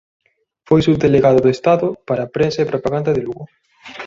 Foi subdelegado do Estado para Prensa e Propaganda de Lugo.